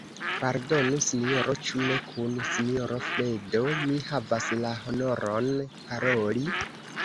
Pardonu, sinjoro, ĉu ne kun sinjoro Fredo mi havas la honoron paroli?